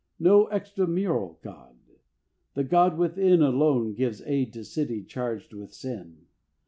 No extramural God, the God within Alone gives aid to city charged with sin.